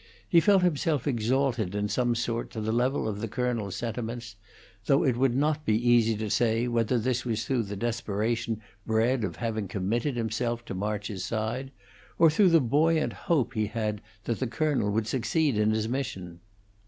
He felt himself exalted in some sort to the level of the colonel's sentiments, though it would not be easy to say whether this was through the desperation bred of having committed himself to March's side, or through the buoyant hope he had that the colonel would succeed in his mission.